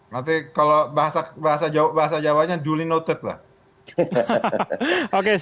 nanti kalo bahasa jawanya juli noted lah